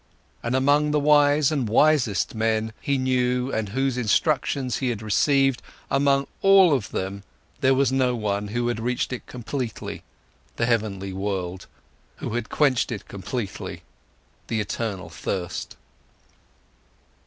And among all the wise and wisest men, he knew and whose instructions he had received, among all of them there was no one, who had reached it completely, the heavenly world, who had quenched it completely, the eternal thirst.